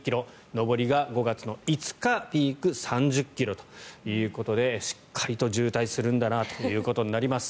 上りが５月の５日ピーク３０ｋｍということでしっかりと渋滞するんだなということになります。